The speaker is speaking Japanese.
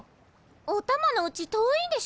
おたまのうち遠いんでしょ？